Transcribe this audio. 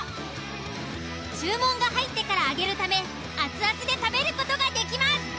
注文が入ってから揚げるため熱々で食べる事ができます。